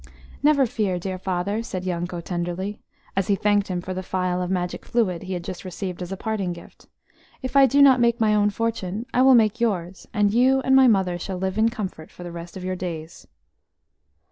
"Never fear, dear Father," said Yanko tenderly, as he thanked him for the phial of magic fluid he had just received as a parting gift. "If I do not make my own fortune, I will make yours, and you and my mother shall live in comfort for the rest of your days."